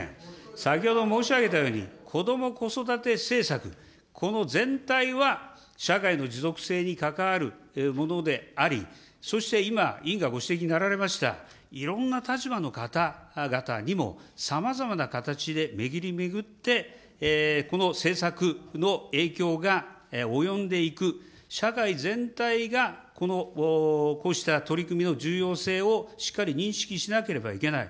先ほど申し上げたように、こども・子育て政策、この全体は、社会の持続性に関わるものであり、そして今、委員がご指摘になられましたいろんな立場の方々にもさまざまな形で巡り巡って、この政策の影響が及んでいく、社会全体がこのこうした取り組みの重要性をしっかり認識しなければいけない。